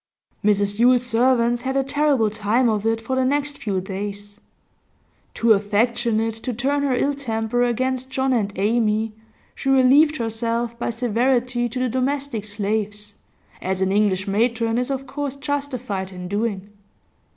Mrs Yule's servants had a terrible time of it for the next few days. Too affectionate to turn her ill temper against John and Amy, she relieved herself by severity to the domestic slaves, as an English matron is of course justified in doing.